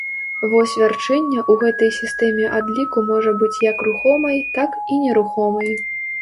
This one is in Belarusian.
Вось вярчэння ў гэтай сістэме адліку можа быць як рухомай, так і нерухомай.